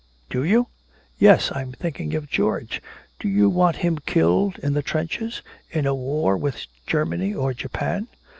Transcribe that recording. "Do you?" "Yes! I'm thinking of George! Do you want him killed in the trenches in a war with Germany or Japan?"